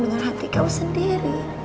dengan hati kau sendiri